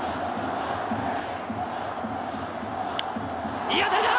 いい当たりだ！